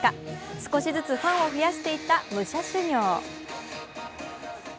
少しずつファンを増やしていった夢者修行。